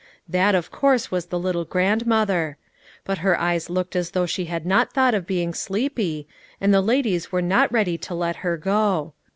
That, of course, was the little grandmother; but her eyes looked as though they had not thought of being sleepy, and the ladies were not ready to let her go.